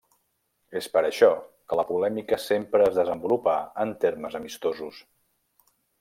És per això que la polèmica sempre es desenvolupà en termes amistosos.